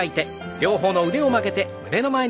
両方の腕を曲げて胸の前に。